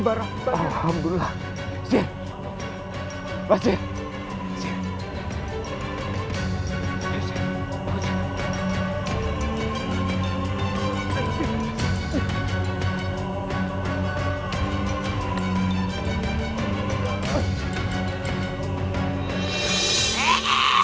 bawa dia dengan keuntungan